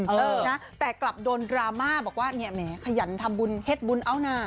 เออนะแต่กลับโดนดราม่าบอกว่าเนี่ยแหมขยันทำบุญเฮ็ดบุญเอานะ